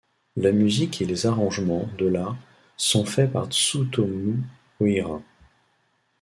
La musique et les arrangements de la sont faits par Tsutomu Ohira.